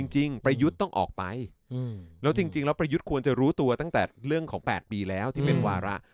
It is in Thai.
ประยุทธ์ต้องออกไปแล้วจริงแล้วประยุทธ์ควรจะรู้ตัวตั้งแต่เรื่องของ๘ปีแล้วที่เป็นวาระ